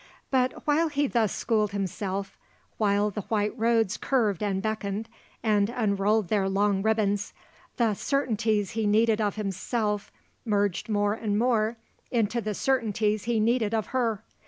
But while he thus schooled himself, while the white roads curved and beckoned and unrolled their long ribbons, the certainties he needed of himself merged more and more into the certainties he needed of her.